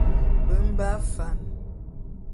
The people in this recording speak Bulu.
Be mbe afan.